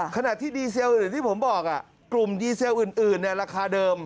ขณะที่ดีเซลอื่นที่ผมบอกอ่ะกลุ่มดีเซลอื่นอื่นเนี่ยราคาเดิม